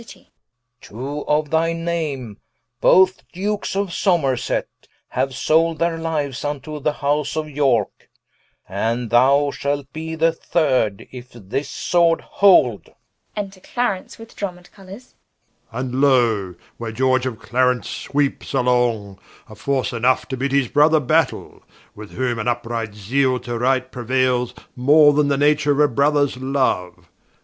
Two of thy Name, both Dukes of Somerset, Haue sold their Liues vnto the House of Yorke, And thou shalt be the third, if this Sword hold. Enter Clarence, with Drumme and Colours. War. And loe, where George of Clarence sweepes along, Of force enough to bid his Brother Battaile: With whom, in vpright zeale to right, preuailes More then the nature of a Brothers Loue.